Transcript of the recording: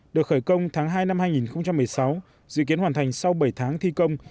được khởi công tháng hai năm hai nghìn một mươi sáu dự kiến hoàn thành sau bảy tháng thi công